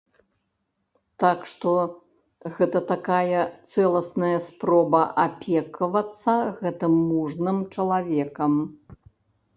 Так што гэта такая цэласная спроба апекавацца гэтым мужным чалавекам.